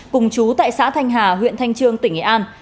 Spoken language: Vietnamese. cùng chú tại xã thanh hà huyện thanh trương tỉnh nghệ an